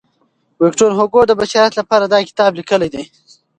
ویکټور هوګو د بشریت لپاره دا کتاب لیکلی دی.